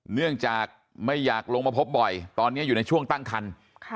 เนื่องจากไม่อยากลงมาพบบ่อยตอนนี้อยู่ในช่วงตั้งคัน